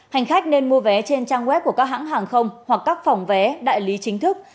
hành khách nên mua vé trên trang web của các hãng hàng không hoặc các phòng vé đại lý chính thức